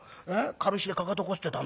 軽石でかかとこすってたんだよ。